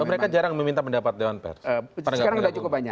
mereka jarang meminta pendapat dewan pers